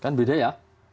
kan beda ya